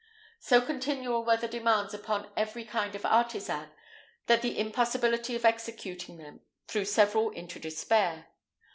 So continual were the demands upon every kind of artisan, that the impossibility of executing them threw several into despair.